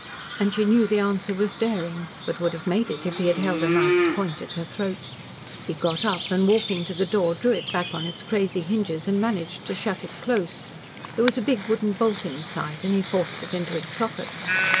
And she knew the answer was daring, but would have made it if he had held a knife's point at her throat. He got up, and walking to the door drew it back on its crazy hinges and managed to shut it close. There was a big wooden bolt inside and he forced it into its socket.